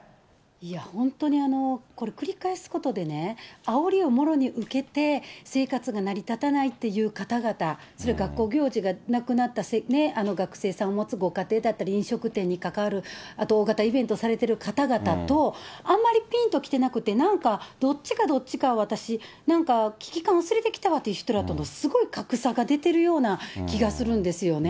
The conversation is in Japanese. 本当にこれ繰り返すことでね、あおりをもろに受けて、生活が成り立たないっていう方々、それ、学校行事がなくなった学生さんを持つご家庭だったり、飲食店に関わる、あと大型イベントされてる方々と、あまりぴんと来てなくて、なんかどっちかどっちか、私、なんか危機感薄れてきたわっていう人らと、すごい格差が出てるような気がするんですよね。